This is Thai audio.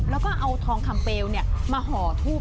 แล้วก็เอาทองคำเปลวมาห่อทูบ